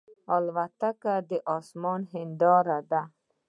الوتکه د آسمان هنداره ده.